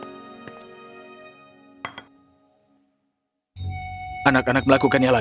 télépon cuando anda tanya jala